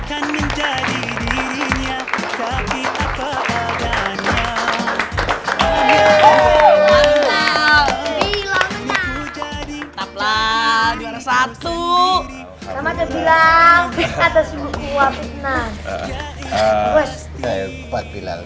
sama aja bilang atas buku wa fitnah